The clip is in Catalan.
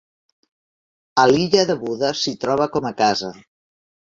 A l'illa de Buda s'hi troba com a casa.